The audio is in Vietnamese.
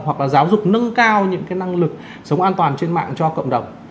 hoặc là giáo dục nâng cao những cái năng lực sống an toàn trên mạng cho cộng đồng